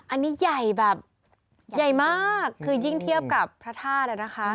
อันนี้ใหญ่แบบใหญ่มากคือยิ่งเทียบกับพระธาตุนะคะ